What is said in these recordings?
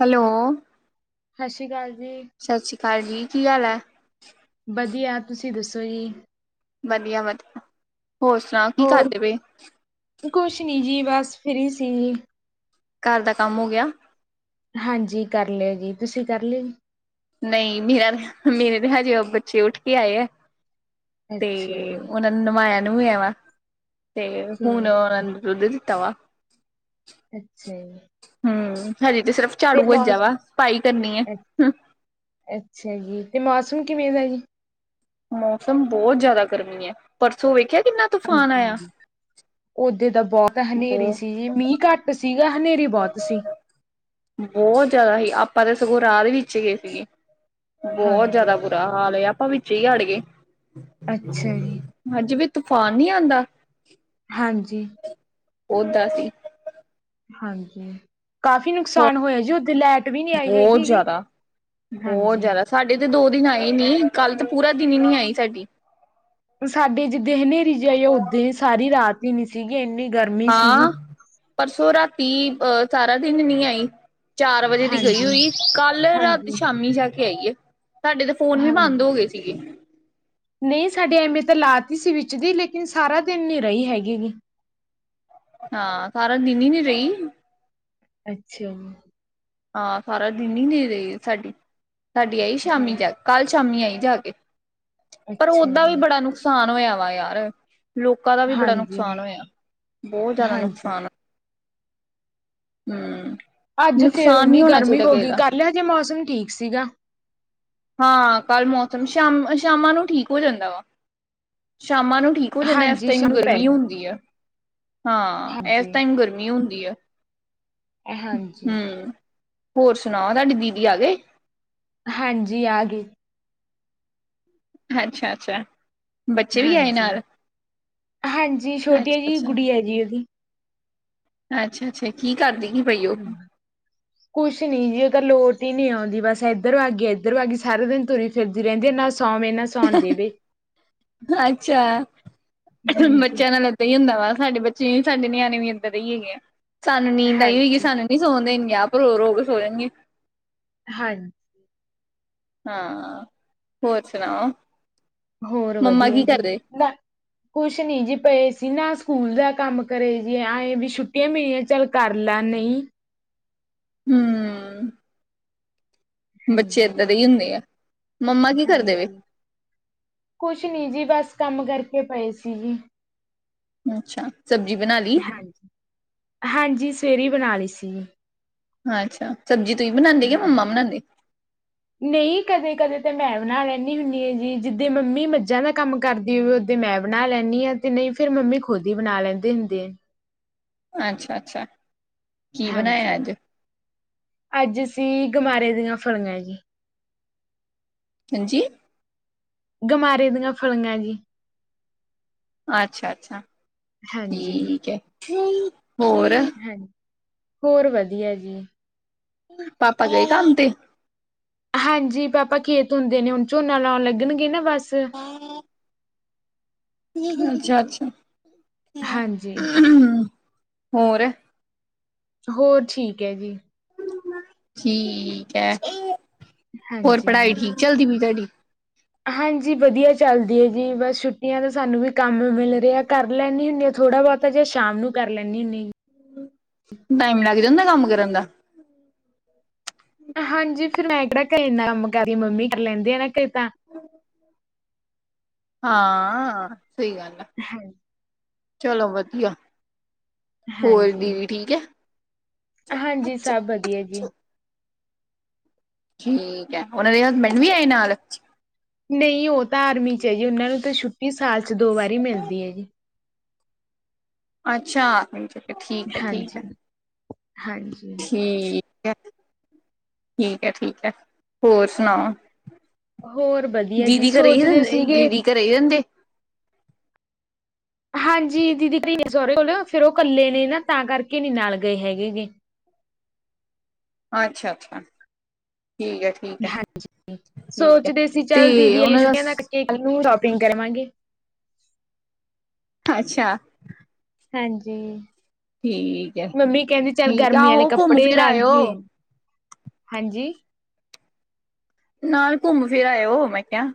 Hello! ਸਤਿ ਸ਼੍ਰੀ ਅਕਾਲ ਜੀ। ਸਤਿ ਸ਼੍ਰੀ ਅਕਾਲ ਜੀ! ਕੀ ਹਾਲ ਏ? ਵਧੀਆ, ਤੁਸੀਂ ਦੱਸੋ ਜੀ? ਵਧੀਆ ਵਧੀਆ, ਹੋਰ ਸੁਣਾਓ, ਕੀ ਹੋਰ ਕਰਦੇ ਪਏ? ਕੁਛ ਨੀ ਜੀ ਬਸ ਫਰੀ ਸੀਗੀ। ਘਰ ਦਾ ਕੰਮ ਹੋ ਗਿਆ। ਹਾਂਜੀ ਕਰ ਲਿਆ ਜੀ, ਤੁਸੀਂ ਕਰ ਲਿਆ? ਨਹੀਂ ਮੇਰਾ ਮੇਰੇ ਤੇ ਹਜੇ ਉਹ ਬੱਚੇ ਉੱਠ ਕੇ ਆਏ ਆ ਤੇ ਅੱਛਾ ਜੀ ਉਹਨਾਂ, ਨਵਾਇਆ ਨੁਵਾਆ ਵਾ ਤੇ ਹੁਣ ਠੀਕ ਉਹਨਾਂ ਨੂੰ ਦੁੱਧ ਦਿੱਤਾ ਵਾ। ਅੱਛਾ ਜੀ। ਹਮ ਹਜੇ ਤੇ ਸਿਰਫ ਤੇ ਝਾੜੂ ਵੱਜਾ ਮੌਸ ਵਾ, ਸਫਾਈ ਕਰਨੀ ਅ ਹੈ। ਅੱਛਾ ਜੀ, ਤੇ ਮੌਸਮ ਕਿਵੇਂ ਦਾ ਜੀ? ਮੌਸਮ ਬਹੁਤ ਜਿਆਦਾ ਗਰਮੀ ਏ, ਪਰਸੋਂ ਵੇਖਿਆ ਕਿੰਨਾ? ਤੂਫਾਨ ਆਇਆ? ਹਾਂਜੀ ਹਾਂ ਓਦੇ ਤਾਂ ਬਹੁਤ ਹਨੇਰੀ ਬਹੁ ਸੀ ਜੀ ਮੀਂਹ ਘੱਟ, ਸੀਗਾ ਹਨੇਰੀ ਬਹੁਤ ਸੀ। ਬਹੁਤ ਜਿਆਦਾ ਸੀ ਆਪਾਂ ਤੇ ਸਗੋਂ ਰਾਹ ਵਿੱਚ ਗਏ ਸੀਗੇ ਬਹੁਤ ਹਾਂਜੀ ਜਿਆਦਾ ਬੁਰਾ ਹਾਲ ਆਪਾਂ ਵਿੱਚੇ ਈ ਅੜ ਗਏ ਅੱਛਾ ਜੀ ਅੱਜ ਵੀ ਤੂਫਾਨ ਨੀ ਆਂਦਾ ਹਾਂਜੀ ਓਹ ਤਾ ਸੀ। ਹਾਂਜੀ ਕਾਫ਼ੀ ਹੋਰ ਨੁਕਸਾਨ ਹੋਇਆ ਜੀ ਓਹਦੇ ਲੈਟ ਵੀ ਨੀ ਆਈ ਬਹੁਤ ਹੈਗੀ ਜ਼ਿਆਦਾ ਬਹੁਤ ਹਾਂਜੀ ਜ਼ਿਆਦਾ ਸਾਡੇ ਤੇ ਦੋ ਦਿਨ ਆਏ ਨੀ ਕੱਲ ਤਾਂ ਪੂਰਾ ਦਿਨ ਹੀ ਨੀ ਆਈ ਸਾਡੀ ਸਾਡੇ ਜਿੱਦਾਂ ਹਨੇਰੀ ਜਈ ਆ ਉਦਾਂ ਹੀ ਸਾਰੀ ਰਾਤ ਹੀ ਨੀ ਸੀਗੀ ਇੰਨੀ ਗਰਮੀ ਸੀਗੀ ਹਾਂ ਪਰਸੋਂ ਰਾਤੀ ਅਹ ਸਾਰਾ ਦਿਨ ਨੀ ਆਈ ਚਾਰ ਵਜੇ ਦੀ ਹਾਂਜੀ। ਗਈ ਹੋਈ ਕੱਲ ਰਾਤ ਹਾਂਜੀ, ਸ਼ਾਮੀ ਜਾ ਕੇ ਆਈਏ ਸਾਡੇ ਤਾਂ ਫੋਨ ਵੀ ਬੰਦ ਹਾਂਜੀ। ਹੋ ਗਏ ਸੀ। ਠੀਕ ਨਹੀਂ ਸਾਡੇ ਐਵੇਂ ਤਾਂ ਲਾਤੀ ਸੀ ਵਿੱਚ ਦੀ, ਲੇਕਿਨ ਸਾਰਾ ਦਿਨ ਨੀ ਰਹੀ ਹੈਗੀ ਗੀ। ਹਾਂ, ਸਾਰਾ ਦਿਨ ਹੀ ਨੀ ਰਹੀ। ਅੱਛਾ! ਹਾਂ, ਸਾਰਾ ਦਿਨ ਹੀ ਨਹੀਂ ਰਹੀ ਸਾਡੀ, ਸਾਡੀ ਆਈ ਹਾਂ ਸ਼ਾਮੀ ਜਾ ਕੇ। ਕੱਲ੍ਹ ਸ਼ਾਮੀ ਆਈ ਜਾ ਕੇ, ਪਰ ਅੱਛਾ ਓਦਾ ਵੀ ਜੀ, ਬੜਾ ਨੁਕਸਾਨ ਹੋਇਆ ਵਾ ਯਾਰ। ਲੋਕਾਂ ਦਾ ਵੀ ਬੜਾ ਹਾਂਜੀ, ਨੁਕਸਾਨ ਹੋਇਆ, ਬਹੁਤ ਜ਼ਿਆਦਾ ਹਾਂਜੀ। ਨੁਕਸਾਨ। ਹੂੰ। ਅੱਜ ਫੇਰ ਓਨੀ ਗਰਮੀ ਹੋ ਗਈ, ਕੱਲ ਹਜੇ ਮੌਸਮ ਠੀਕ ਸੀਗਾ। ਹਾਂ, ਕੱਲ ਮੌਸਮ, ਸ਼ਾਮ-ਸ਼ਾਮਾਂ ਨੂੰ ਠੀਕ ਹੋ ਜਾਂਦਾ ਵਾ। ਸ਼ਾਮਾਂ ਨੂੰ ਠੀ ਕ ਹੋ ਜਾਂਦਾ, ਐਸ ਹਾਂਜੀ ਟਾਈਮ ਸ਼ਾਮ ਪੈ ਗਰਮੀ ਹੁੰਦੀ ਆ। ਹਾਂ, ਐਸ ਹਾਂਜੀ, ਟਾਈਮ ਗਰਮੀ ਹੁੰਦੀ ਆ। ਹਾਂਜੀ। ਹੂੰ, ਹੋਰ ਸੁਣਾਓ ਤਾਡੀ ਦੀਦੀ ਆ ਗਏ? ਹਾਂਜੀ ਆ ਗੇ। ਅੱਛਾ - ਅੱਛਾ। ਬੱਚੇ ਵੀ ਆਏ ਹਾਂਜੀ ਨਾਲ - ਹਾਂਜੀ ਛੋਟੀ ਏ ਅੱਛਾ ਜੀ ਅੱਛਾ ਗੁਡੀਆ ਜੀ ਉਹਦੀ। ਅੱਛਾ - ਅੱਛਾ ਕੀ ਕਰਦੀ? ਪਈ ਹੂ। [inaudible] ਕੁਛ ਨੀ ਜੀ ਉਹ ਤਾਂ ਲੋਟ ਹੀ ਨਹੀਂ ਆਉਂਦੀ, ਬਸ ਇੱਧਰ ਆ ਗਈ, ਇੱਧਰੋਂ ਆ ਗਈ, ਸਾਰੇ ਦਿਨ ਤੁਰੀ ਫਿਰਦੀ ਰਹਿੰਦੀ, ਨਾ ਸੌਵੇ ਨਾ ਸੌਣ ਦੇਵੇ। ਅੱਛਾ! ਹਾਂਜੀ। ਬੱਚਿਆਂ ਨਾਲ ਲੱ ਇੱਦਾ ਹੀ ਹੁੰਦਾ ਵਾ, ਸਾਡੇ ਬੱਚੇ ਵੀ ਸਾਡੇ ਨਿਆਣੇ ਵੀ ਇੱਦਾਂ ਦੇ ਹੀ ਹੈਗੇ ਆ, ਸਾਨੂੰ ਨੀਂਦ ਆਈ ਹੋਏਗੀ ਹਾਂਜੀ, ਸਾਨੂੰ ਨਹੀਂ ਸੋਣ ਦੇਣਗੇ, ਆਪ ਰੋ -ਰੋ ਕੇ ਸੋ ਜਾਣਗੇ। ਹਾਂਜੀ। ਹਾਂ, ਹੋਰ ਸੁਣਾਓ? ਹੋਰ ਮੰਮਾ ਵਧੀਆ ਕੀ ਜੀ। ਕਰਦੇ ਕੁਛ ਨੀ ਜੀ ਪਏ ਸੀ। ਨਾ ਸਕੂਲ ਦਾ ਕੰਮ ਕਰੇ ਜੀ, ਐਏਂ ਵੀ ਛੁੱ ਟੀਆਂ ਪਈਆਂ ਚਲ ਚੱਲ ਕਰ ਲਾ, ਨਹੀਂ! ਹੂੰ। ਬੱਚੇ ਏਦਾਂ ਹਾਂਜੀ। ਦੇ ਹੀ ਹੁੰਦੇ ਆ। ਮੰਮਾ ਕੀ ਕਰਦੇ ਵੇ ਹਾਂਜੀ, ਕੁਛ ਨੀ ਜੀ ਬਸ ਕੰਮ ਕਰਕੇ ਪਏ ਸੀ ਜੀ। ਅੱਛਾ। ਸਬਜ਼ੀ ਬਣਾ ਲੀ? ਹਾਂਜੀ। ਹਾਂਜੀ, ਸਵੇਰੇ ਬਣਾ ਲਈ ਸੀ ਜੀ। ਅੱਛਾ, ਸਬਜ਼ੀ ਤੁਸੀਂ ਬਣਾਨਦੇ ਕਿ ਹਾਂਜੀ। ਮੰਮਾ ਬਣਾਨਦੇ? ਨਹੀਂ ਕਦੇ - ਕਦੇ ਤਾਂ ਮੈਂ ਬਣਾ ਲੈਂਨੀ ਹੁੰਦੀ ਆ ਜੀ, ਜਿੱਦਾਂ ਮੰਮੀ ਮੱਝਾਂ ਦਾ ਕੰਮ ਕਰਦੀ ਹੋਵੇ ਓ ਦੇ ਮੈਂ ਬਣਾ ਲੈਂਨੀ ਆ ਤੇ, ਨਹੀਂ ਫੇਰ ਮੰਮੀ ਖੁਦ ਹੀ ਬਣਾ ਲੈਂਦੇ ਹੁੰਦੇ ਏ। ਅੱਛਾ- ਅੱਛਾ। ਕੀ ਬਣਾਇਆ ਹਾਂਜੀ। ਅੱਜ ਅੱਜ ਅਸੀਂ ਗਮਾਰੇ ਦੀਆਂ ਫਲੀਆਂ ਜੀ। ਹਾਂਜੀ! ਗਮਾਰੇ ਦੀਆਂ ਫਲੀਆਂ ਜੀ। ਅੱਛਾ- ਅੱਛਾ ਹਾਂਜੀ ਠੀਕ ਐ, ਹੋਰ? ਹਾਂਜੀ, ਹੋਰ ਵਧੀਆ ਜੀ। ਪਾਪਾ ਗਏ ਕੰਮ ਤੇ? ਹਾਂਜੀ ਪਾਪਾ ਖੇਤ ਹੁੰਦੇ ਨੇ, ਹੁਣ ਝੋਨਾ ਲਾਉਣ ਲੱਗਣਗੇ ਨਾ ਬਸ। ਅੱਛਾ- ਅੱਛਾ। ਹਾਂਜੀ ਹੋਰ? ਹੋਰ ਠੀਕ ਐ ਜੀ। ਠੀਕ ਐ, ਹੋਰ ਹਾਂਜੀ ਪੜ੍ਹਾਈ ਠੀਕ ਚਲਦੀ ਵੀ ਤੁਹਾਡੀ। ਹਾਂਜੀ ਵਧੀਆ ਚੱਲਦੀ ਐ ਜੀ ਬਸ ਛੁੱਟੀਆਂ ਤਾਂ ਸਾਨੂੰ ਵੀ ਕੰਮ ਮਿਲ ਰੇਐ ਕਰ ਲੈਣੀ ਹੁੰਣੈ ਥੋੜਾ ਬਹੁਤਾ ਜੇ ਸ਼ਾਮ ਨੂੰ ਕਰ ਲੈਂਣੀ ਹੁੰਣੀ। ਟਾਈਮ ਲੱਗ ਜਾਂਦਾ ਕੰਮ ਕਰਨ ਦਾ। ਹਾਂਜੀ ਫਿਰ ਮੈਂ ਕੇਹੜਾ ਕ ਇਨਾ ਕੰਮ ਕਰਦੀ ਮੰਮੀ ਕਰ ਲੈਂਦੀ ਐ ਨਾ ਕੇ ਤਾਂ ਹ ਹਾਂ ਸਈ ਗੱਲ ਐ ਹਾਂ। ਚਲੋ ਵਧੀਆ, ਹੋਰ ਹਾਂਜੀ। ਦੀਦੀ ਠੀਕ ਐ। ਹਾਂਜੀ ਸਬ ਵਦੀਆ ਜੀ। ਠੀਕ ਐ ਓਨਾਂ ਦੇ ਹਸਬੈਂਡ ਵੀ ਆਏ ਨਾਲ। ਨਂਈ ਓਹ ਤਾਂ ਆਰਮੀ ਚ ਐ ਜੀ ਉਹਨਾਂ ਨੂੰ ਤੇ ਛੁੱਟੀ ਸਾਲ ਚ ਦੋ ਵਾਰੀ ਮਿਲਦੀ ਐ ਜੀ। ਅੱਛਾ, ਠੀਕ ਐ ਠੀਕ ਐ, ਹਾਂਜੀ ਹਾਂਜੀ। ਠੀਕ ਕੈ, ਠੀਕ ਐ ਠੀਕ ਐ, ਹੋਰ ਸੁਣਾਓ। ਹੋਰ ਵਧੀਆ ਜੀ ਦੀਦੀ ਘਰੇ ਈ ਸੋਚਦੇ ਰੈਂਦੇ, ਸੀਗੇ ਦੀਦੀ ਘਰੇ ਈ ਰੈਹੰਦੇ। ਹਾਂਜੀ ਦੀਦੀ ਸੋਹਰੇ ਫੇਰ ਓਹ ਇਕੱਲੇ ਨੇ ਨਾ ਤਾਂ ਕਰਕੇ ਨੀ ਨਾਲ ਗਏ ਹੈਗੇ ਗੇ। ਅੱਛਾ-ਅੱਛਾ, ਠੀਕ ਐ। ਹਾਂਜੀ, ਸੋਚਦੇ ਸੀ ਤੇ ਚੱਲ ਦੀਦੀ ਆ ਉਹਨਾਂ ਦਾ ਛੁੱਟੀਆਂ ਤੱਕ ਸ- ਕੇ ਨੂੰ ਸ਼ੋਪਿੰਗ ਕਰਵਾਂਗੇ। ਅੱਛਾ। ਹਾਂਜੀ, ਠੀਕ ਹੈ ਮੰਮੀ ਕੈਹੰਦੀ ਚੱਲ ਠੀਕ ਆ ਗਰਮੀ ਆਲੇ ਆਹੋ ਘੁੰਮ ਕੱਪੜੇ ਫਿਰ ਨਾਲ ਆਇਓ ਹੀ ਹਾਂਜੀ। ਨਾਲ ਘੁੰਮ ਫਿਰ ਆਇਓ ਮੈਂ ਕੇਆ।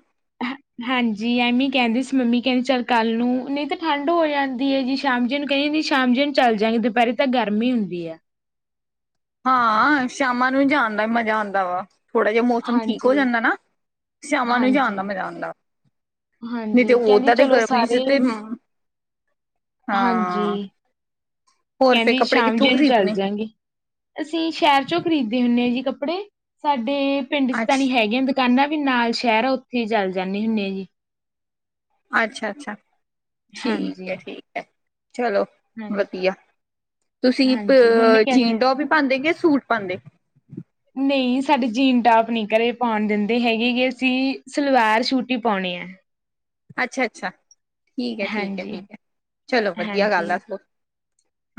ਹਾਂ- ਹਾਂਜੀ ਐਮੀ ਕੈਹੰਦੀ ਸੀ ਮੰਮੀ ਕੈਹੋਦ ਚੱਲ ਕੱਲ ਨੂੰ ਨਈ ਤੇ ਠੰਢ ਹੋ ਜਾਂਦੀ ਐ ਜੀ। ਸ਼ਾਮ ਜੇ ਨੂੰ ਕੈਹਿੰਦੀ ਸ਼ਾਮ ਜੇ ਨੂੰ ਚੱਲ ਜਾਂਗੇ, ਦੁਪੈਰੇ ਤਾਂ ਗਰਮੀ ਹੁੰਦੀ ਆ। ਹਾਂ ਸ਼ਾਮਾਂ ਨੂੰ ਈ ਜਾਣ ਦਾ ਮਜ਼ਾ ਆਂਦਾ ਵਾ। ਥੋੜਾ ਜੇਆ ਮੌਸਮ ਠੀਕ ਹੋ ਹਾਂਜੀ ਜਾਂਦਾ ਨਾ, ਸ਼ਾਮਾ ਨੂੰ ਈ ਜਾਣ ਹਾਂਜੀ ਦਾ ਮਜਾ ਆਂਦਾ। ਹਾਂਜੀ ਕੈਹੰਦੀ ਚਲੋ ਗਰਮੀ ਚ ਸਾਰੇ ਤੇ ਹਾਂ ਹਾਂਜੀ, ਹੋਰ ਫੇਰ ਕੈਹੰਦੀ ਕੱਪੜੇ ਸ਼ਾਮ ਕਿੱਥੋਂ ਜੇ ਨੂੰ ਚੱਲ ਖਰੀਦਣੇ ਜਾਂਗੇ। ਅਸੀਂ ਸੈ਼ਹਰ ਚੋਂ ਖ਼ਰੀਦ ਦੇ ਹੁੰਣੇ ਆਂ ਜੀ ਕੱਪੜੇ, ਸਾਡੇ ਪਿੰਡ ਚ ਤਾਂ ਅੱਛ ਨੀ ਹੈਗੇ ਨ। ਕਾਹਂਦਾ ਵੀ ਨਾਲ ਸੈ਼ਹਰ ਐ ਓੱਥੇ ਚੱਲ ਜਾਂਣੇ ਹੁੰਣੇ ਆਂ ਜੀ। ਅੱਛਾ-ਅੱਛਾ, ਠੀਕ ਹਾਂਜੀ ਐ ਠੀਕ ਐ, ਚਲੋ। ਹਾਂਜੀ ਵਧੀਆ ਤੁਸੀਂ ਹਾਂਜੀ ਮੰਮੀ ਅ ਕਹਿੰਦੀ ਜੀਨ-ਟੋਪ ਈ ਪਾਂਦੇ, ਕਿ ਸੂਟ ਪਾਂਦੇ। ਨਈ ਸਾਡੇ ਜੀਨ-ਟੋਪ ਨੀ ਘਰੇ ਪਾਂਉਣ ਦਿੰਦੇ ਹੈਗੇ ਗੇ, ਅਸੀਂ ਸਲਵਾਰ ਸੂ਼ਟ ਈ ਪਾਉਣੇ ਆਂ ਅੱਛਾ-ਅੱਛਾ, ਠੀਕ ਐ ਠੀਕ ਐ ਹਾਂਜੀ, ਠੀਕ ਐ, ਚਲੋ ਵਧੀਆ ਹਾਂਜੀ। ਗੱਲ ਆ ਸਗੋ।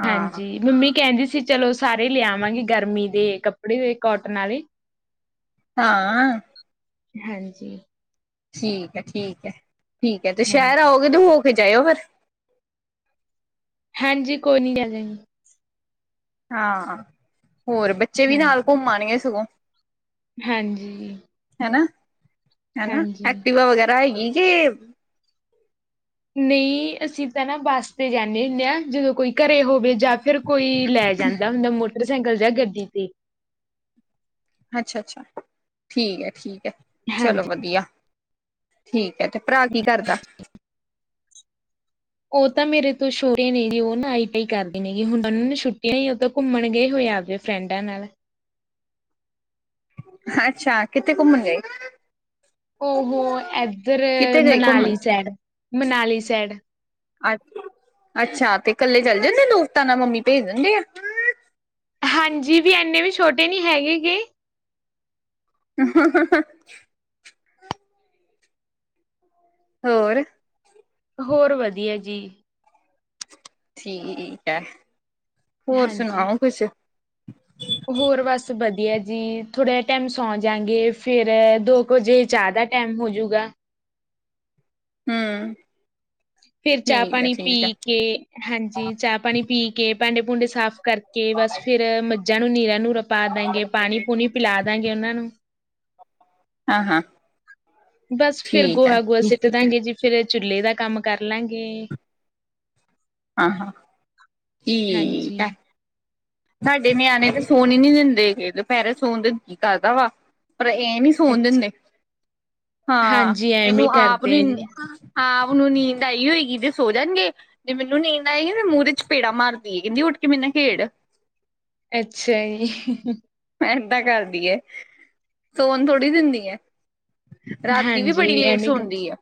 ਹਾਂਜੀ ਮੰਮੀ ਕੈਹੰਦੀ ਸੀ। ਚਲੋ ਸਾਰੇ ਲਿਆਵਾਂਗੇ ਗਰਮੀ ਦੇ ਕੱਪੜੇ ਕੋਟਨ ਆਲੇ। ਹਾਂ। ਹਾਂਜੀ। ਠੀਕ ਐ ਠੀਕ ਐ, ਠੀਕ ਐ ਤੇ ਹਾਂਜੀ, ਸੈ਼ਹਰ ਆਓਗੇ ਤੋ ਹੋ ਕੇ ਜਾਇਓ ਫੇਰ। ਹਾਂਜੀ ਕੋਈ ਨੀ ਲੈ ਜਾਏਗੀ। ਹਾਂ-ਹਾਂ, ਹੋਰ ਬੱਚੇ ਵੀ ਨਾਲ ਹਾਂਜੀ। ਘੁੰਮ ਆਣਗੇ ਸਗੋਂ। ਹਾਂਜੀ। ਹੈਨਾ, ਹੈਨਾ ਹਾਂਜੀ। ਐਕਟੀਵਾ ਵਗੈਰਾ ਹੈਗੀ ਜੇ। ਨਹੀਂ ਅਸੀਂ ਤਾਂ ਨਾ ਬੱਸ ਤੇ ਜਾਂਦੇ ਹੁੰਨੇ ਆਂ, ਜਦੋਂ ਕੋਈ ਘਰੇ ਹੋਵੇ। ਜਾਂ ਫਿਰ ਕੋਈ ਲੈ ਜਾਂਦਾ ਹੁੰਦਾ ਮੋਟਰਸਾਈਕਲ ਜਾਂ ਗੱਡੀ ਤੇ। ਅੱਛਾ- ਅੱਛਾ ਠੀਕ ਹੈ -ਠੀਕ ਹੈ ਚਲੋ ਹਾਂਜੀ। ਵਧੀਆ। ਠੀਕ ਹੈ ਤੇ ਭਰਾ ਕੀ ਕਰਦਾ? ਉਹ ਤਾਂ ਮੇਰੇ ਤੋਂ ਛੋਟੇ ਨੇ ਜੀ, ਉਹ ਨਾ ਆਈਟੀ ਆਈ ਕਰਦੇ, ਨੇ ਹੁਣ ਉਹ ਛੁਟੀਆਂ ਸੀ ਉਹ ਘੁੰਮਣ ਗਏ ਹੋਏ ਅਜ। ਫਰੈਂਡਾਂ ਨਾਲ। ਅੱਛਾ, ਕਿੱਥੇ ਘੁੰਮਣ ਗਏ? ਉਹ ਏਧਰ ਕਿੱਥੇ ਗਏ ਮਨਾਲੀ ਘੁੰਮਣ ਸਾਈਡ- ਮਨਾਲੀ ਸਾਈਡ। ਅੱ ਅੱਛਾ ਤੇ ਕੱਲੇ ਚੱਲ ਜਾਂਦੇ‌ ਦੋਸਤਾਂ ਨਾਲ ਮੰਮੀ ਭੇਜ ਦਿੰਦੇ ਆ? ਹਾਂਜੀ, ਵੀ ਇੰਨੇ ਵੀ ਛੋਟੇ ਨਹੀਂ ਹੈਗੇਗੇ। ਹ [unintelligible] ਹੋਰ। ਹੋਰ ਵਧੀਆ ਜੀ। ਠੀਕ ਹੈ, ਹੋਰ ਹਾਂਜੀ। ਸੁਣਾਓ ਕੁਛ? ਹੋਰ ਬਸ ਵਧੀਆ ਜੀ, ਥੋੜ੍ਹਾ ਜਿਹਾ ਟਾਈਮ ਸੌਂ ਜਾਗੇ ਫੇਰ ਦੋ ਕੁ ਵਜੇ ਚਾਹ ਦਾ ਟਾਈਮ ਹੋਜੂਗਾ। ਹਮ [unintelligible] ਫੇਰ ਚਾਹ ਠੀਕ ਹੈ ਪਾਣੀ ਪੀ ਠੀਕ ਹੈ ਕੇ ਹਾਂਜੀ, ਚਾਹ ਪਾਣੀ ਪੀ ਕੇ ਭਾਂਡੇ- ਭੂੰਡੇ ਸਾਫ਼ ਕਰਕੇ ਬਸ ਫਿਰ ਮੱਝਾਂ ਨੂੰ ਨੀਰਾਂ ਨੂਰਾ ਪਾ ਦਾਂਗੇ ਪਾਣੀ ਪੂਣੀ ਪਿਲਾ ਦਾਂਗੇ ਉਹਨਾਂ ਨੂੰ। ਹਾਂ, ਹਾਂ। ਬਸ ਫੇਰ ਠੀਕ ਹੈ ਗੋਹਾ- ਗੋਹਾ ਸਿੱਟ ਦਾਂਗੇ ਜੀ ਫੇਰ ਚੁਲੇ ਦਾ ਕੰਮ ਕਰ ਲਾਂਗੇ। ਹਾਂ, ਹਾਂ ਠੀਕ ਹਾਂਜੀ ਆ। ਸਾਡੇ ਨਿਆਣੇ ਤਾਂ ਸੋਣ ਹੀ ਨਹੀਂ‌ ਦਿੰਦੇ ਦੁਪਿਹਰੇ ਸੋਣ ਦਿਲ ਕਰਦਾ ਵਾ ਪਰ ਇਹ ਨੀ ਸੋਣ ਅੱਛਾ ਦਿੰਦੇ ਆਂ ਹਾਂਜੀ ਇਹਨੂੰ ਐਵੇਂ ਆਪ ਕਰਦੇ ਨੀ ਆ ਜੀ ਹਾਂ, ਹੁਣ ਨੀਂਦ ਆਈ ਹੋਏਗੀ ਤੇ ਸੋ ਜਾਣਗੇ। ਜੇ ਮੈਨੂੰ ਨੀਂਦ ਆਈ ਮੂੰਹਤੇ ਪੇੜਾ ਮਾਰਦੀ ਏ ਕਹਿੰਦੀ ਉੱਠ ਕੇ ਮੇਰੇ ਨਾਲ ਖੇਡ। ਅੱਛਾ, ਜੀ। ਏਦਾਂ ਕਰਦੀ ਏ ਸੋਨ ਥੋੜੀ ਦਿੰਦੀ ਏ। ਰਾਤੀ ਵੀ ਬੜੀ ਹਾਂਜੀ ਲੇਟ ਐਵੇਂ ਸੋਂਦੀ ਆ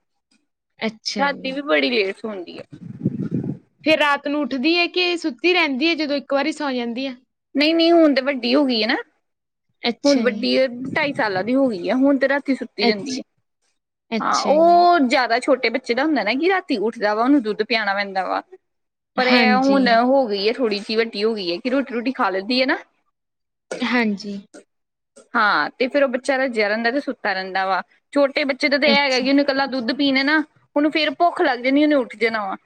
ਅੱਛਾ ਰਾਤੀ ਜੀ, ਵੀ ਬੜੀ ਲੇਟ ਹੋਂਦੀ ਹੈ। ਫੇਰ ਰਾਤ ਨੂੰ ਉੱਠਦੀ ਏ, ਕਿ ਸੁੱਤੀ ਰਹਿੰਦੀ ਏ ਜਦੋਂ ਇੱਕ ਵਾਰੀ ਸੌਂ ਜਾਂਦੀ ਏ? ਨਹੀਂ -ਨਹੀਂ ਹੁਣ ਤਾਂ ਵੱਡੀ ਹੋ ਗਈ ਏਨਾ ਅੱਛਾ ਹੁਣ ਜੀ, ਵੱਡੀ ਢਾ ਈ ਸਾਲਾਂ ਦੀ ਹੋ ਗਈ ਹੈ, ਹੁਣ ਤੇ ਰਾਤੀ ਸੁੱਤੀ ਜਾਂਦੀ ਅੱਛ ਏ, ਹਾਂ ਅੱਛਾ ਜੀ, ਉਹ ਜਿਆਦਾ ਛੋਟੇ ਬੱਚੇ ਜਿਦਾ ਹੁੰਦਾ ਨਾ ਕਿ ਰਾਤੀ ਉੱਠਦਾ ਵਾ ਉਹਨੂੰ ਦੁੱਧ ਪਿਆਣਾ ਪੈਂਦਾ ਵਾ। ਪਰ ਇਹ ਹਾਂਜੀ, ਹੁਣ ਹੋ ਗਈ ਏ, ਥੋੜ੍ਹੀ ਜਿਹੀ ਵੱਢੀ ਹੋ ਗਈ ਏ ਕਿ ਰੋਟੀ ਰੁਟੀ ਖਾ ਲੈਂਦੀ ਏ ਨਾ? ਹਾਂਜੀ। ਹਾਂ ਤੇ ਫੇਰ ਉਹ ਬੱਚਾ ਰੱਜਿਆ ਰਹਿੰਦਾ ਤੇ ਸੁੱਤਾ ਰਹਿੰਦਾ ਵਾ, ਛੋਟੇ ਬੱਚੇ ਦਾ ਤਾਂ ਇਹਗਾ ਅੱਛਾ, ਕਿ ਉਹਨੂੰ ਇਕੱਲਾ ਦੁੱਧ ਪੀਣੇ ਨਾ ਹੁਣ ਫੇਰ ਭੁੱਖ ਲੱਗ ਜਾਂਣੀਏ ਉਹਨੇ ਉੱਠ ਜਾਣਾ ਵਾ।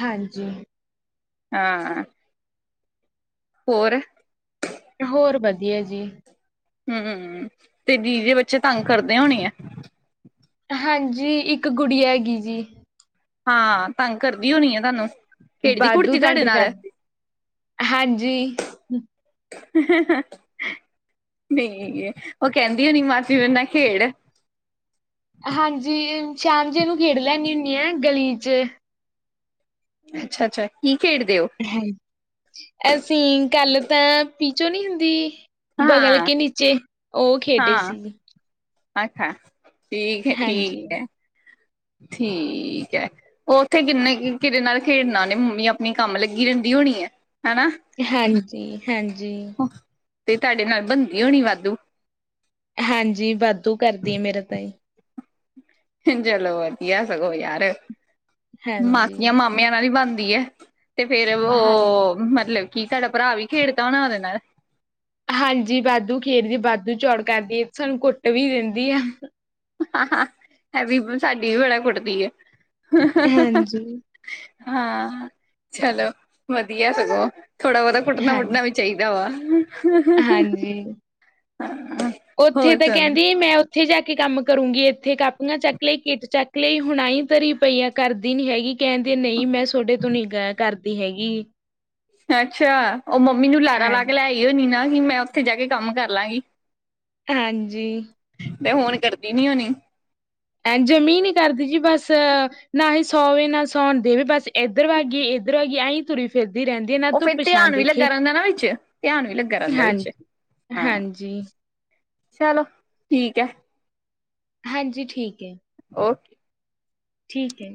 ਹਾਂਜੀ। ਹਾਂ। ਹੋਰ। ਹੋਰ ਵਧੀਆ ਜੀ। ਹਮ ਤੇ ਦੀ ਜੇ ਬੱਚੇ ਤੰਗ ਕਰਦੇ ਹੋਣੀ ਆ? ਹਾਂਜੀ, ਇੱਕ ਗੁੜੀ ਹੈਗੀ ਜੀ। ਹਾਂ, ਤੰਗ ਕਰਦੀ ਹੋਣੀ ਏ ਤੁਹਾਨੂੰ? ਖੇਡਦੀ ਵਾਧੂ ਕੁੜਦੀ ਤੰਗ ਤੁਹਾਡੇ ਨਾਲ ਕਰਦੇ ਹਾਂਜੀ। ਨਹੀਂ ਉਹ ਕਹਿੰਦੀ ਹੋਣੀ, ਮਾਸੀ ਮੇਰੇ ਨਾਲ ਖੇਡ ਹਾਂਜੀ ਸ਼ਾਮ ਜੇ ਇਹਨੂੰ ਖੇਡ ਲੈਂਨੀ ਹੁੰਨੀ ਆ ਗਲੀ ਚ ਅੱਛਾ ਅੱਛਾ ਕੀ ਖੇਡਦੇ ਹੋ ਅਸੀਂ ਕਲ ਤਾਂ ਪੀਚੋਂ ਨੀ ਹੁੰਦੀ ਬਗਲ ਹਾਂ ਕੇ ਨੀਚੇ, ਉਹ ਖੇਡੇ ਹਾਂ ਸੀ ਅੱਛਾ ਠੀਕ ਹੈ ਠੀਕ ਹਾਂਜੀ, ਹੈ ਠੀਕ ਹੈ ਉੱਥੇ ਕਿੰਨੇ ਕਿਧੇ ਨਾਲ ਖੇਡਣਾ ਨੀ, ਮੰਮੀ ਆਪਣੇ ਕੰਮ ਲੱਗੀ ਰਹਿੰਦੀ ਹੋਣੀ ਹੈ ਹੈਨਾ ਹਾਂਜੀ ਹਾਂਜੀ ਤੇ ਤੁਹਾਡੇ ਨਾਲ ਬਣਦੀ ਹੋਣੀ ਵਾਧੂ ਹਾਂਜੀ ਵਾਧੂ ਕਰਦੀ ਹੈ, ਮੇਰੇ ਤਾਈ ਚਲੋ ਵਧੀਆ ਸਗੋਂ ਯਾਰ, ਹਾਂਜੀ ਮਾਸੀਆਂ ਮਾਮਿਆਂ ਨਾਲ ਹੀ ਬਣਦੀ ਹੈ ਤੇ ਫੇਰ ਹਾਂਜੀ ਉਹ ਮਤਲਬ ਕੀ, ਤੁਹਾਡਾ ਭਰਾ ਵੀ ਖੇਡਦਾ ਹੋਣਾ ਉਹਦੇ ਨਾਲ ਹਾਂਜੀ ਵਾਧੂ ਖੇਡਦੀ ਵਾਧੂ ਚੌੜ ਕਰਦੀ ਹੈ, ਸਾਨੂੰ ਕੁੱਟ ਵੀ ਦਿੰਦੀ ਆ ਹਾਂ ਇਹ ਵੀ ਸਾਡੀ ਵੀ ਬੜਾ ਕੁੱਟਦੀ ਐ ਹਾਂਜੀ ਹਾਂ ਚਲੋ ਵਧੀਆ ਸਗੋਂ, ਥੋੜਾ ਬਹੁਤਾ ਕੁੱਟਣਾ ਹਾਂ ਵੁਟਣਾ ਵੀ ਚਾਹੀਦਾ ਵਾ ਹਾਂਜੀ, ਉੱਥੇ ਹੋਰ ਤੇ ਸੁਣ ਕਹਿੰਦੀ ਮੈਂ ਇੱਥੇ ਜਾ ਕੇ ਕੰਮ ਕਰੂੰਗੀ, ਇੱਥੇ ਕਾਪੀਆਂ ਚੱਕ ਲਈ ਕਿੱਟ ਚੱਕ ਲਈ ਹੁਣ ਆ ਈ ਧਰੀ ਪਈ ਐ ਕਰਦੀ ਨੀ ਹੈਗੀ, ਕਹਿੰਦੀ ਨਹੀਂ ਮੈਂ ਤੁਹਾਡੇ ਤੋਂ ਨੀ ਗ ਕਰਦੀ ਹੈਗੀ ਅੱਛਾ, ਉਹ ਮੰਮੀ ਨੂੰ ਲਾਰਾ ਹਾਂ ਲਾ ਕੇ ਲੈਈ ਹੋਣੀ, ਨਾ ਕਿ ਮੈਂ ਉੱਥੇ ਜਾ ਕੇ ਕੰਮ ਕਰ ਲਾਂਗੀ ਹਾਂਜੀ ਮੈਂ ਹੁਣ ਕਰਦੀ ਨੀ ਹੋਣੀ ਐਂ ਜਮੀਂ ਨੀ ਕਰਦੀ ਜੀ ਬਸ, ਨਾ ਐ ਸੌਵੇ ਨਾ ਸੌਉਣ ਦੇਵੇ ਬਸ ਇੱਧਰ ਵਾਗੀ, ਇੱਧਰ ਵਾਗੀ ਆਈਂ ਤੁਰੀ ਫਿਰਦੀ ਰਹਿੰਦੀ ਹੈ ਨਾ ਉਹ ਫੇਰ ਧੁੱਪ ਛਾਂ ਧਿਆਨ ਵੀ ਦੇਖੇ ਲੱਗਾ ਰਹਿੰਦਾ ਨਾ ਵਿੱਚ, ਧਿਆਨ ਵੀ ਲੱਗਾ ਰਹਿੰਦਾ ਵਿੱਚ ਹਾਂਜੀ, ਹਾਂ ਹਾਂਜੀ ਚਲੋ ਠੀਕ ਹੈ ਹਾਂਜੀ ਠੀਕ ਹੈ ਔ ਟ ਠੀਕ ਐ